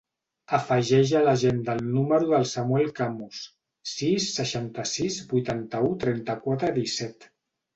Afegeix a l'agenda el número del Samuel Camus: sis, seixanta-sis, vuitanta-u, trenta-quatre, disset.